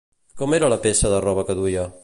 Com era la peça de roba que duia?